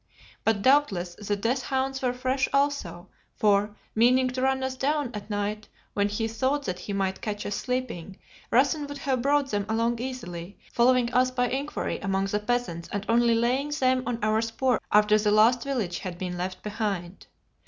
But doubtless the death hounds were fresh also, for, meaning to run us down at night when he thought that he might catch us sleeping, Rassen would have brought them along easily, following us by inquiry among the peasants and only laying them on our spoor after the last village had been left behind.